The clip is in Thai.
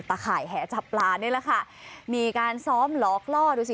ข่ายแห่จับปลานี่แหละค่ะมีการซ้อมหลอกล่อดูสิ